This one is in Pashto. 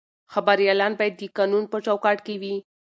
خبریالان باید د قانون په چوکاټ کې وي.